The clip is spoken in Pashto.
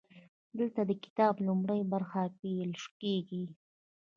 دلته د کتاب لومړۍ برخه پیل کیږي.